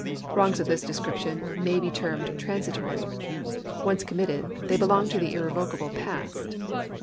Wrongs of this description may be termed transitory ; once com mitted, they belong to the irrevocable past.